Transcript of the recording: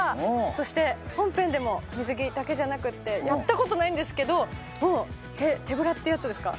そして本編でも水着だけじゃなくってやったことないんですけど手手ブラってやつですか？